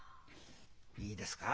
いいですか？